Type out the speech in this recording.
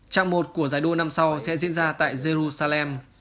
trạng một của giải đua năm sau sẽ diễn ra tại jerusalem